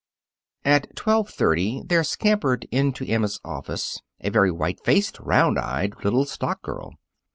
At twelve thirty, there scampered into Emma's office a very white faced, round eyed little stock girl.